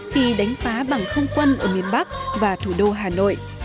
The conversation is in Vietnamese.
khi đánh phá bằng không quân ở miền bắc và thủ đô hà nội